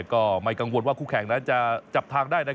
ก็ไม่กังวลว่าคู่แข่งนั้นจะจับทางได้